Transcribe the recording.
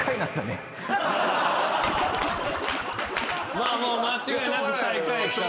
まあもう間違いなく最下位。